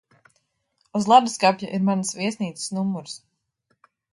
Uz ledusskapja ir manas viesnīcas numurs.